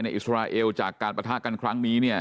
ในอิสราเอลจากการประทากันครั้งนี้